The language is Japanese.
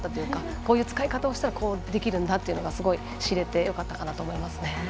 こういう使い方をしたらこうできるんだとかすごい知れてよかったかなと思いますね。